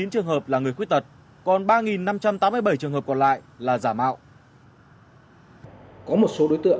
chín mươi chín trường hợp là người khuyết tật